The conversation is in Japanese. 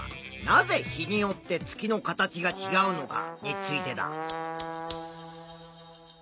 なぜ日によって月の形がちがうのか？